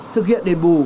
thực hiện đền bù